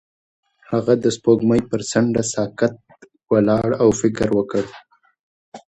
هغه د سپوږمۍ پر څنډه ساکت ولاړ او فکر وکړ.